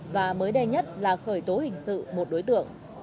và mới đây nhất là khởi tố hình sự một đối tượng